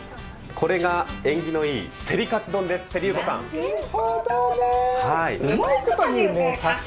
これが縁起のいい競り勝つ丼です。